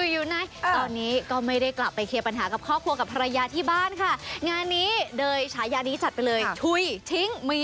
อยู่ไหนตอนนี้ก็ไม่ได้กลับไปเคลียร์ปัญหากับครอบครัวกับภรรยาที่บ้านค่ะงานนี้โดยฉายานี้จัดไปเลย